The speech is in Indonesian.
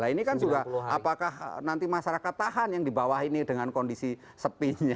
nah ini kan sudah apakah nanti masyarakat tahan yang di bawah ini dengan kondisi sepinya